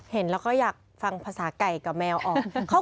เห็นแล้วก็อยากฟังภาษาไก่กับแมวออก